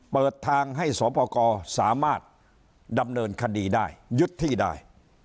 เปิดทางให้สวปกรสามารถดำเนินคดีได้ยึดที่ได้